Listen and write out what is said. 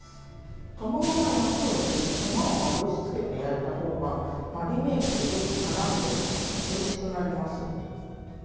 そのまま焼くより粉をまぶしつけて焼いたほうがマリネ液とよくからんでおいしくなります。